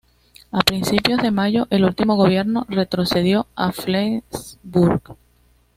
A principios de mayo, el último Gobierno retrocedió a Flensburg.